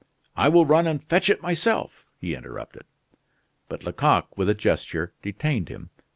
"I will run and fetch it myself," he interrupted. But Lecoq, with a gesture, detained him.